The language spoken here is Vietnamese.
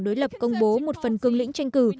đối lập công bố một phần cương lĩnh tranh cử